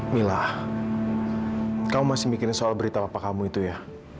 mila kamu masih mikirin soal berita apa kamu itu ya